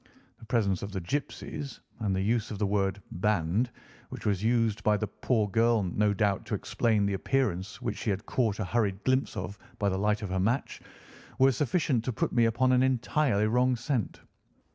The presence of the gipsies, and the use of the word 'band,' which was used by the poor girl, no doubt, to explain the appearance which she had caught a hurried glimpse of by the light of her match, were sufficient to put me upon an entirely wrong scent.